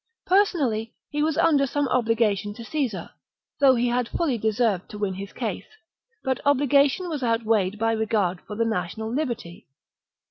Personally, he was under some obligation to Caesar, though he had fully deserved to win his case ; but obligation was outweighed by regard for the national liberty.